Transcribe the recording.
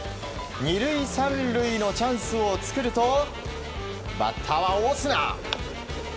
２塁３塁のチャンスを作るとバッターはオスナ。